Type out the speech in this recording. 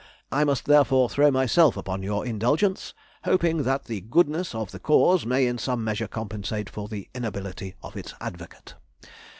I must therefore throw myself upon your indulgence, hoping that the goodness of the cause may in some measure compensate for the inability of its advocate.